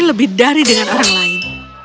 lebih dari dengan orang lain